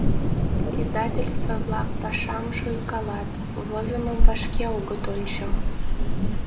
Издательство-влак пашам шуйкалат, возымым вашке огыт ончо.